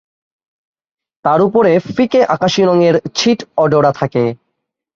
তার ওপরে ফিকে আকাশী রঙের ছিট অ-ডোরা থাকে।